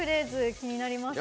気になりますか？